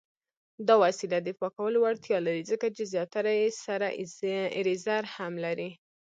دا وسیله د پاکولو وړتیا لري، ځکه چې زیاتره یې سره ایریزر هم لري.